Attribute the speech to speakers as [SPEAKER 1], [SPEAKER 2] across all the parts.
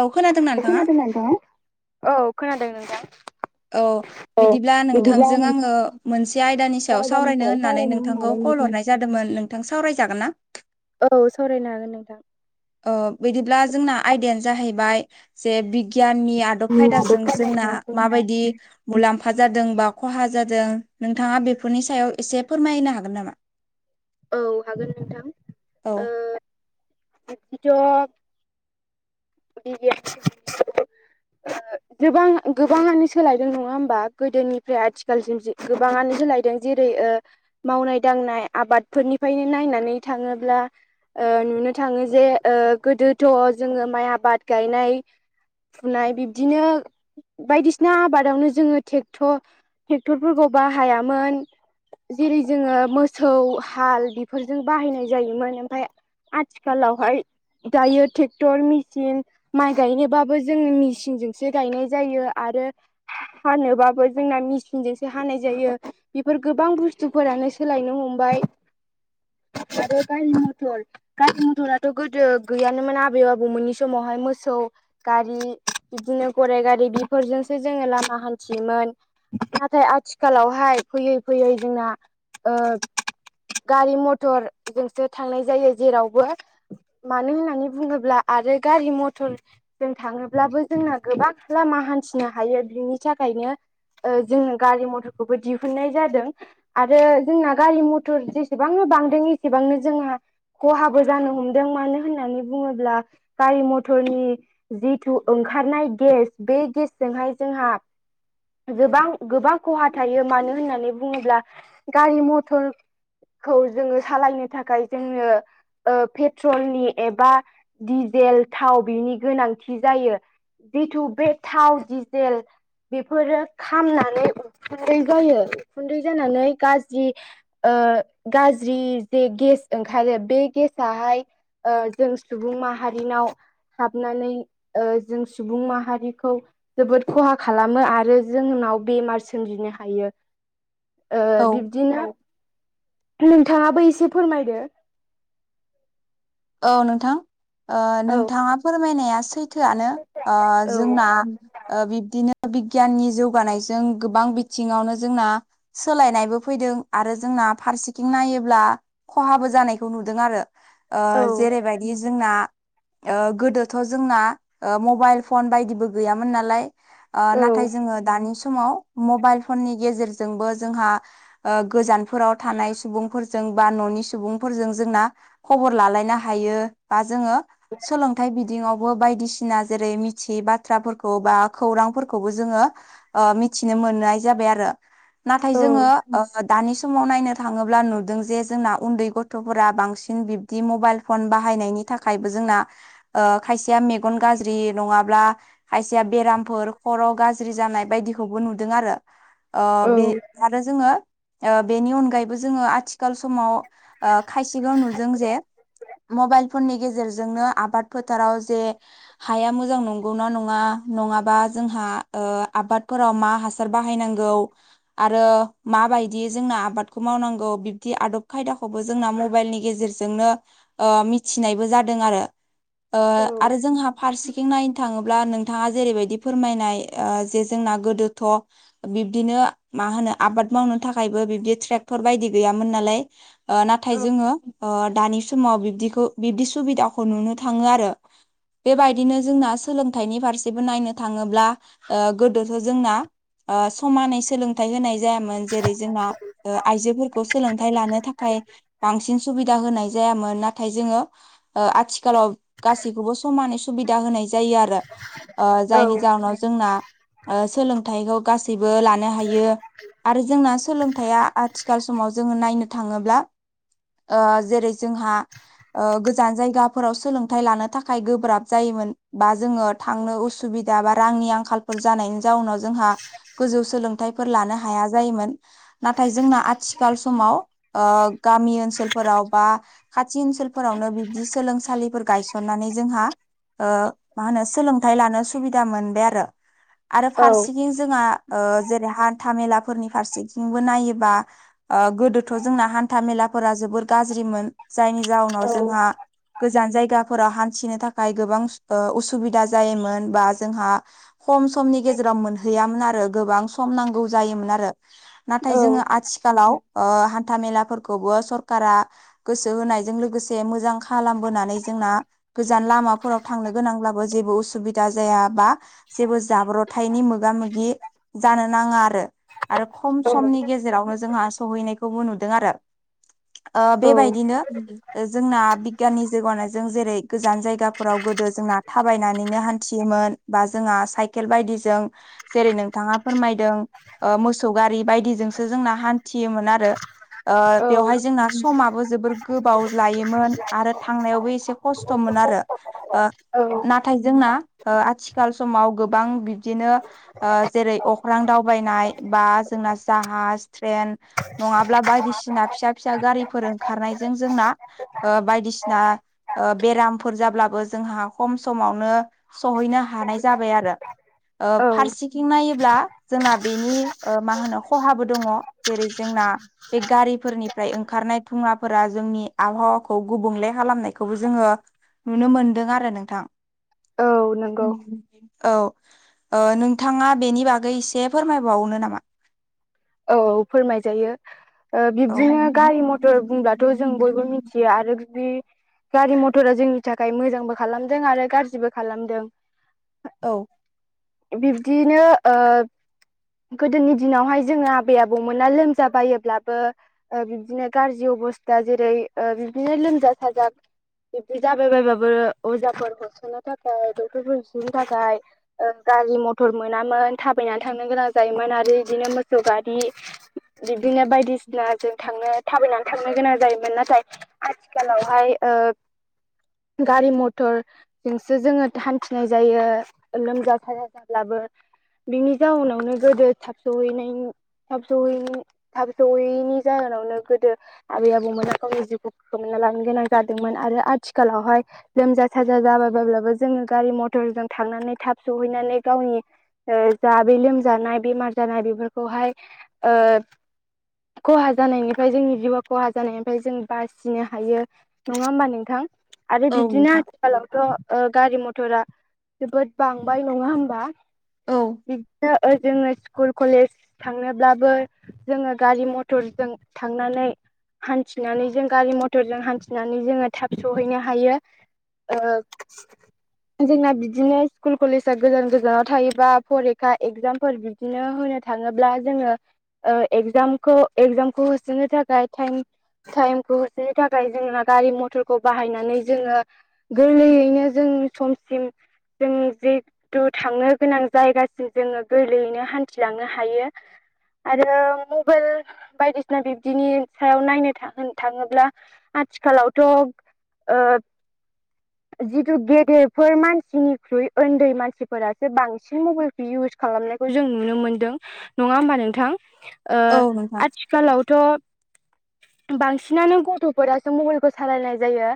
[SPEAKER 1] औ खोनादोंना नोंथाङा?
[SPEAKER 2] खोनादोना औ खोनादों नोंथां
[SPEAKER 1] औ
[SPEAKER 2] औ
[SPEAKER 1] बिदिब्ला
[SPEAKER 2] बिदिब्ला
[SPEAKER 1] नोंथांजों
[SPEAKER 2] मोनसे
[SPEAKER 1] आङो मोनसे आयदानि सायाव
[SPEAKER 2] आयदानि
[SPEAKER 1] सावरायनो
[SPEAKER 2] सायाव
[SPEAKER 1] होननानै नोंथांखौ
[SPEAKER 2] होननानै
[SPEAKER 1] कल
[SPEAKER 2] नोंथां
[SPEAKER 1] हरनाय जादोंमोन नोंथां सावरायजागोन ना
[SPEAKER 2] औ सावरायनो हागोन नोंथां
[SPEAKER 1] बिदिब्ला जोंना आयदायानो जाहैबाय जे बि गियाननि आदब खायदाजों जोंना
[SPEAKER 2] औ
[SPEAKER 1] माबायदि मुलाम्फा जादों बा खहा जादों नोंथाङा बेफोरनि सायाव एसे फोरमायनो हागोन नामा [unintelligible]
[SPEAKER 2] औ हागोन नोंथां
[SPEAKER 1] औ
[SPEAKER 2] आथिथ बि [unintelligible]
[SPEAKER 1] [inaudible]
[SPEAKER 2] गोबां गोबाङानो सोलायदों नङा होमबा गोदोनिफ्राय आथिखालसिम गोबाङानो सोलायदों जेरै मावनाय दांनाय आबादफोरनिफ्रायनो नायनानै थाङोब्ला नुनो थाङो जे गोदोथ' जोङो माइ आबाद गायनाय फुनाय बिब्दिनो बायदिसिना आबादावनो जोङोर ट्रेक्टरफोरखौ बाहायामोन जेरै जोङो मोसौ हाल बेफोरजों बाहायनाय जायोमोन ओमफाय आथिखालावहाय दायो ट्रेक्टर मिेसिन मेचन माइ गायनोबाबो जों मेसिनजोंसो गायनाय जायो आरो हानोबाबो जोंना मेचिनजोंसो हानाय जायो बेफोर गोबां बुस्थुफोरानो सोलायनो हमबाय आरो गारि मथर गारि मथराथ' गोदो गैयानोमोन आबै आबौ मोननि समावहाय मोसौ गारि बिदिनो गराइ गारि बेफोरजोंसो जोङो लामा हान्थियोमोन नाथाय आथिखालावहाय फैयै फैयै जोंना गारि मथरजोंसो थांनाय जायो जेरावबो मानो होननानै बुङोब्ला आरो गारि मथर जों थाङोब्लाबो जोंना गोबां लामा हान्थिनो हायो बिनि थाखायनो जोङो गारि मथरखौबो दिहुननाय जादों आरो जोंना गारि मथर जेसेबांनो बांदों एसेबांनो जोंहा खहाबो जानो हमदों मानो होननानै बुङोब्ला गारि मथरनि जिथु ओंखारनाय गेस बे गेसजोंहाय जोंहा गोबां गोबां खहा थायो मानो होननानै बुङोब्ला गारि मथर खौ जोङो सालायनो थाखाय जोंनो पेट्रलनि एबा दिडिजेल थाव बिनि गोनांथि जायो जिथु बे थाव डिजेल बेफोरो खामनानै उखुन्दै जायो उखुन्दै जानानै गाज्रि गाज्रि जे गेस ओंखारो बे गेस आाहाय जों सुबुं माहारिनाव हाबनानै जों सुबुं माहारिखौ जोबोद खहा खालामो आरो जोंनाव बेमार सोमजिनो हायो
[SPEAKER 1] औ
[SPEAKER 2] बिब्दिनो नोंथाङाबो एसे फोरमायदो
[SPEAKER 1] औ नोंथां ओ
[SPEAKER 2] औ
[SPEAKER 1] नोंथाङा फोरमायनाया सैथ थोआनो। ओ जोंना ओ बिब्दिनो बिगियाननि जौगानायजों गोबां बिथिङावनो जोंना सोलायनायबो फैदों आरो जोंना फारसेथिं नायोब्ला खहाबो जानायखौ नुदों आरो। जेरैबायदि जोंना ओ गोदोथ' जोंना मबाइल फन बायदिबो गैयामोन नालाय। ओ नाथाय जोङो दानि समाव मबाइल फननि गेजेरजोंबो जोंहा ओ गोजानफोराव थानाय सुबुंफोरजों बा न'नि सुबुंफोरजों जोंना खबर लालायनो हायो बा जोङो सोलोंथाइ बिथिं ङावबो बायदिसिना जेरै मिथियै बाथ्राफोरखौ बा खौरांफोरखौबो जोङो ओ मिथिनो मोननाय जाबाय आरो। नाथाय जोङो ओ दानि समाव नायनो थाङोब्ला नुदों जे जोंना उन्दै गथ'फोरा बांसिन बिब्दि मबाइल फन बाहायनायनि थाखायबो जोंना ओ खायसेया मेगन गाज्रि नङाब्ला खायसेया बेरामफोर खर' गाज्रि जानाय बायदिखौबो नुदों आरो। ओ बे आरो जोङो ओ बेनि अनगायैबो जोङो आथिखाल समाव खायसेखौ नु जों जे मबाइल फननि गेजेरजोंनो आबाद फोथाराव जे हाया मोजां नंगौना नङा नङाबा जोंहा ओ आबादफोराव मा हासार हासार बाहायनांगौ आरो माबायदि जोंना आबादखौ मावनांगौ बिब्दि आदब खायदाखौबो जोंना मबाइलनि गेजेरजों जोंनो ओ मिथिनायबो जादों आरो आरो जोंहा फारसेथिं नायनो थाङोब्ला ब्ला नोंथाङा जेरैबायदि फोरमायनाय जे जोंना गोदोथ' बिब्दिनो मा होनो आबाद मावनो थाखायबो बिब्दि ट्रेक्टर बायदि गैयामोन नालाय। ओ नाथाय जोङो ओ दानि समाव बिब्दिखौ बिब्दि सुबिदाखौ नुनो थाङो आरो। बेबायदिनो जोंना सोलोंथाइनि फारसेबो नायनो थाङोब्ला गोदोथ' जोंना ओ समानै सोलों थाइ होनाय जायामोन जेरै जोंना आइजोफोरखौ सोलोंथाइ लानो थाखाय बांसिन सुबिदा होनाय जायामोन नाथाय जोङो ओ आथिखालाव गासैखौबो समानै सुबिदा होनाय जायो। जायो आरो ओ जायनि जाहोनाव जोंना सोलोंथाइखौ गासैबो लानो हायो। आरो जोंना सोलोंथाइया आथिखाल समाव जोङो नायनो थाङोब्ला ओ जेरै जोंहा ओ गोजान जायगाफोराव सोलोंथायाइ लानो थाखाय गोब्राब जायोमोन। बा जोङो थांनो उसुबिदा बा रांनि आंखालफोर जानायनि जाउनाव जोंहा गोजौ सोलोंथाइफोर लानो हाया जायोमोन। नाथाय जोंना आथिखाल समाव ओ गामि ओनसोल ओनसोलफोराव बा खाथि ओनसोलफोरावनो बिबदि सोलोंसालिफोर गायसननानै जोंहा ओ मा होनो सोलोंथाइ लानो सुबिदा मोनबाय आरो। आरो फारसेथिं जोंहा ओ जेरै हान्था मेलाफोरनि फारसेथिंबो नायोबा ओ गोदोथ' जोंना हान्था मेलाफोरा जोबोर गाज्रिमोन जायनि जाउनाव जोंहा गोजान जायगाफोराव हान्थिनो थाखाय गोबां उसुबिदा जायोमोन बा जोंहा खम समनि गेजेराव मोनहैयामोन आरो गोबां सम नांगौ जायोमोन आरो। नाथाय जोङो आथिखालाव हान्था मेलाफोरखौबो सर सकारा गोसो होनायजों लोगोसे मोजां खालामबोनानै जोंना गोजान लामाफोराव थांनो गोनांब्लाबो जेबो उसुबिदा जाया बा जेबो जाब्रथायनि मोगा मोगि जानो नाङा आरो। आरो खम
[SPEAKER 2] औ
[SPEAKER 1] समनि गेजेरावनो जोंहा सहैनायखौबो नुदों आरो बेबायदिनो जोंना बिगियाननि जौगानायजों जेरै गोजान जायगाफोराव गोदो जोंना थाबायनानैनो हान्थियोमोन। बा जोंहा साइकेल बायदिजों जेरै नोंथाङा फोरमायदों मोसौ गारि बायदिजोंसो जोंना हान्थियोमोन आरो बेवहाय जोंना समाबो जोबोर गोबाव लायोमोन आरो थांनायावबो एसे खस्थ'मोन आरो ओ
[SPEAKER 2] औ
[SPEAKER 1] नाथाय जोंना आथिखाल समाव गोबां बिब्दिनो जेरै अख्रां दावबायनाय बा जोंना जाहाज ट्रेन नङाब्ला बायदिसिना फिसा फिसा गारिफोर ओंखारनायजों जोंना बायदिसिना बेरामफोर जाब्लाबो जोंहा खम समावनो सहैनो हानाय जाबाय आरो
[SPEAKER 2] औ
[SPEAKER 1] फारसेथिं नायोब्ला जोंना बेनि मा होनो खहाबो दङ। जेरै जोंना बे गारिफोरनि ओमफ्राय ओंखारनाय थुंलाफोरा जोंनि आबहावाखौ गुबुंले खालामनायखौबो जोङो नुनो मोनदों आरो नोंथां
[SPEAKER 2] औ नंगौ
[SPEAKER 1] औ नोंथाङा बेनि बागै एसे फोरमायबावनो नामा?
[SPEAKER 2] औ औ फोरमाय जायो।
[SPEAKER 1] औ
[SPEAKER 2] बिब्दिनो गारि मथर बुंब्लाथ' जों बयबो मिथियो आरो जुदि गारि मथरा जोंनि थाखाय मोजांबो खालामदों आरो गाज्रिबो खालामदों
[SPEAKER 1] औ
[SPEAKER 2] बिब्दियैनो ओ गोदोनि दिनावहाय जोङो बे आबौमोना लोमजा बायोब्लाबो बिबदिनो गाज्रि अबस्था जेरै बिबदिनो लोमजा साजा बिब्दि जाबाय बायबाबो अजाफोर होसोनो थाखाय डक्टरफोर होसोनो थाखाय गारि मथर मोनामोन थाबायनानै थांनो गोनां जायोमोन आरो बिदिनो मोसौ गा बि बिदिनो बायदिसिना जों थांनो थाबायनानै थांनो गोनां जायोमोन नाथाय आथिखालावहाय गारि मथर जोंसो जोङो हान्थिनाय जायो लोमजा साजा जाब्लाबो बिनि जाउनावनो गोदो थाब सहैनायनि थाब सहैनाय थाब जयैनि जाहोनावनो गोदो आबै आबौमोना गावनि जिउखौ खना लानो गोनां जादोंमोन आरो आथिखालावहाय लोमजा साजा जाबाय बाबब्लाबो जोङो गारि मथरजों थांनानै थाब सहैनानै गावनि ज बे लोमजानाय बेमार जानाय बेफोरखौहाय ओ खहा जानायनिफ्राय जोंनि जिउआ खहा जानायनिफ्राय जों बासिनो हायो। नङा होमबा नोंथां? आरो
[SPEAKER 1] औ
[SPEAKER 2] बिब्दिनो
[SPEAKER 1] नोंथां
[SPEAKER 2] आथिखालावथ' गारि मथरा जोबोद बांबाय नङा होमबा
[SPEAKER 1] औ
[SPEAKER 2] बिदिनो जोङो स्कुल कलेज थांनोब्लाबो जोङो गारि मथरजों थांनानै हान्थिनानै जों गारि मथरजोंों हान्थिनानै जोङो थाब सहैनो हायो। ओ
[SPEAKER 1] [inaudible]
[SPEAKER 2] जोंना बिदिनो स्कुल कलेजा गोजान गोजानाव थायोबा फरिखा एगजामफोर बिदिनो होनो थाङोब्ला ब्ला जोङो एजामखौ एगजामखौ होसोनो थाखाय टाइम टाइमखौ होसोनो थाखाय जोंहा गारि मथरखौ बाहायनानै जोङो गोरलैयैनो जों समसिम जों जेथु थांनो गोनां जायगासिम जोङो गोरलैयैनो हान्थिलांनो हायो। आरो मबाइल बायदिसिना बिब्दिनि सायाव नायनो होन थाङोब्ला आथिखालावथ' जिथु गेदेरफोर मानसिनिख्रुइ उन्दै मानसिफोरासो बांसिन मबाइल बे इउस खालामनायखौ जों नुनो मोनदों नङा होमबा नोंथां? ओ आ
[SPEAKER 1] औ नोंथां
[SPEAKER 2] आथिखालावथ' बांसिनानो गथ'फोरासो मबाइलखौ सालायनाय जायो।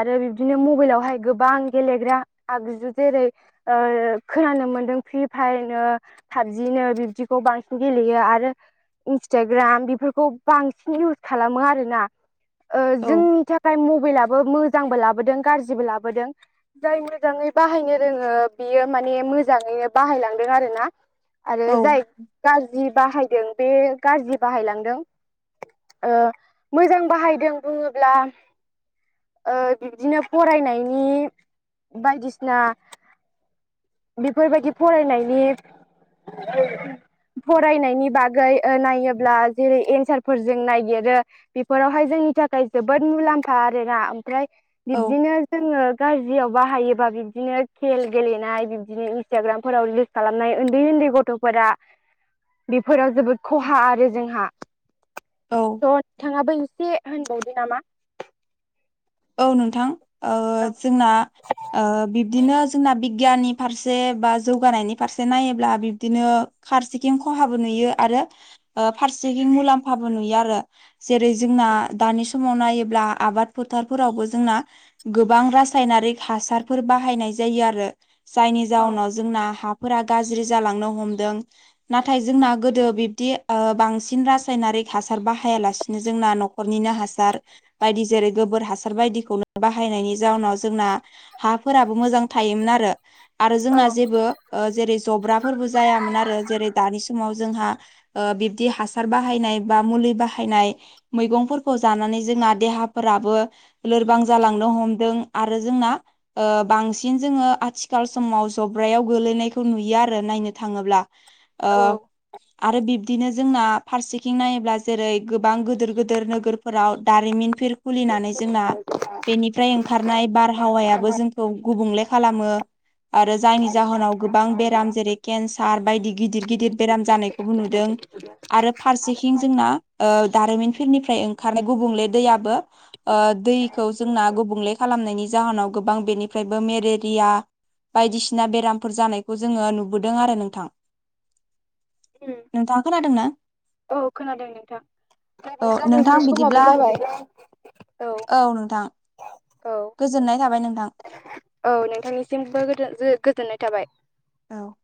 [SPEAKER 2] आरो बिबदिनो मबाइलावहाय गोबां गेलेग्रा आगजु जेरै खोनानो मोनदों फ्रि फायारनो पाबजिनो बिब्दिखौ बांसिन गेलेयो आरो इन्सटाग्राम बेफोरखौ बांसिन इउस खालामो आरोना।
[SPEAKER 1] औ
[SPEAKER 2] जोंनि थाखाय मबाइलाबो मोजांबो लाबोदों गाज्रिबो लाबोदों। जाय मोजाङै बाहायनो रोङो बियो माने मोजाङैनो बाहायलांदों आरो ना। आरो
[SPEAKER 1] औ
[SPEAKER 2] जाय गाज्रि बाहायदों बे गाज्रि बाहायलांदों। ओ मोजां बाहायदों बुङोब्ला ओ बिब्दिनो फरायनायनि बायदिसिना बेफोरबायदि फरायनायनि [inaudible] फरायनायनि बागै ओ नायोब्ला जेरै एन्सारफोरजों नायागिरो बेफोरावहाय जोंनि थाखाय जोबोद मुलाम्फा आरोना ओमफ्राय
[SPEAKER 1] औ
[SPEAKER 2] बिब्दिनो जोङो गाज्रियाव बाहायोबा बिब्दिनो खेल गेलेनाय बिबदिनो इन्सटाग्रामफोराव ल खालामनाय उन्दै उन्दै गथ'फोरा बेफोराव जोबोद खहा आरो जोंहा।
[SPEAKER 1] औ
[SPEAKER 2] थ' थाङाबो एसे होनबावदो नामा।
[SPEAKER 1] औ नोंथां ओ
[SPEAKER 2] औ
[SPEAKER 1] जोंना ओ बिब्दिनो जोंना बि गियाननि फारसे बा जौगानायनि फारसे नायोब्ला बिब्दिनो फारसेथिं खहाबो नुयो आरो फारसेथिं मुलाम्फाबो नुयो आरो। जेरै जोंना दानि समाव नायोब्ला आबाद फोथारफोरावबो जोंना गोबां रासायनारिक हासारफोर बाहायनाय जायो आरो। जायनि जााहनाव
[SPEAKER 2] औ
[SPEAKER 1] जोंना हाफोरा गाज्रि जालांनो हमदों। नाथाय जोंना गोदो बिब्दि ओ बांसिन रासायनारिक हासार बाहायालासिनो जोंना न'खर न'खरनिनो हासार बायदि जेरै गोबोर हासार बायदिखौनो बाहायनायनि जाउनाव जोंना हाफोराबो मोजां थायोमोन आरो। आरो जोंना जेबो जेरै जब्राफोरबो जायामोन आरो जेरै दानि समाव जोंहा ओ बिब्दि हासार बाहायनाय बा मुलि बाहायनाय मैगंफोरखौ जानानै जोंहा देहा फोराबो लोरबां जालांनो हमदों आरो जोंना ओ बांसिन जोङो आथिखाल समाव जब्रायाव गोलैनायखौ नुयो आरो नायनो थाङोब्ला ओ
[SPEAKER 2] औ
[SPEAKER 1] आरो बि दिनो जोंना फारसेथिं नायोब्ला जेरै गोबां गोदोर गोदोर नोगोरफोराव दारिमिनफोर खुलिनानै जोंना बेनिफ्राय ओंखारनाय बारहावायाबो जोंखौ गुबुंले खालामो। आरो जायनि जाहोनाव गोबां बेराम जेरै केन्सार बायदि गिदिर गिदिर बेराम जानायखौबो नुदों। आरो फारसेथिं जोंना दारिमिनफोरनिफ्राय ओंखारनाय गुबुंले दैयाबो ओ दैखौ जोंना गुबुंले खालामनायनि जाहोनाव गोबां बेनिफ्रायबो मेलेरिया बायदिसिना बेरामफोर जानायखौ जोङो नुबोदों आरो नोंथां। नोंथां खोनादों ना?
[SPEAKER 2] औ खोनादों नोंथां। दा
[SPEAKER 1] औ
[SPEAKER 2] बे नोंथां
[SPEAKER 1] बिदिब्ला
[SPEAKER 2] समाबो जाबाय
[SPEAKER 1] औ नोंथां,
[SPEAKER 2] औ
[SPEAKER 1] गोजोननाय थाबाय नोंथां।
[SPEAKER 2] औ नोंथांनिसिमबो गोदो-गोजोननाय थाबाय
[SPEAKER 1] औ